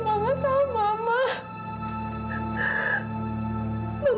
maka camilla nya di dalam